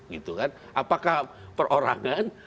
gitu kan apakah perorangan